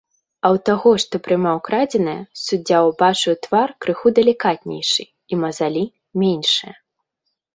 А ў таго, што прымаў крадзенае, суддзя ўбачыў твар крыху далікатнейшы і мазалі меншыя.